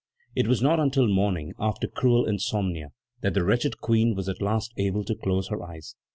It was not until morning, after cruel insomnia, that the wretched Queen was at last able to close her eyes.